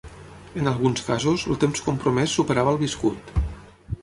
En alguns casos, el temps compromès superava el viscut.